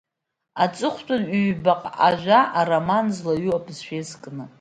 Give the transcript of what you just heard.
Аҵыхәтәан ҩбаҟа ажәа ароман злаҩу абызшәа иазкны.